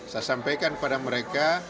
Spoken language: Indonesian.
saya sampaikan kepada mereka